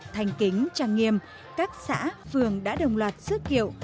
thành kính trang nghiêm các xã phường đã đồng loạt dứt kiệu